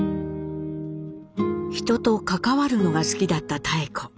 人と関わるのが好きだった妙子。